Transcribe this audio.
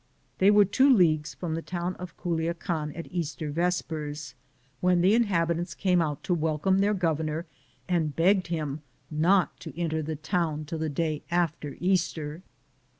They were two leagues from the town of Guliacan at Easter vespers, when the inhabitants came out to welcome their governor and begged him not to ent«i the town till the day after Easter.